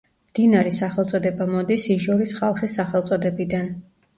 მდინარის სახელწოდება მოდის იჟორის ხალხის სახელწოდებიდან.